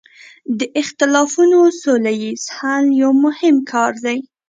د اختلافونو سوله ییز حل یو مهم کار دی.